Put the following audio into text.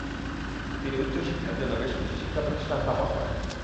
তিনি উচ্চশিক্ষার জন্য বেশ কিছু শিক্ষাপ্রতিষ্ঠান স্থাপন করেন।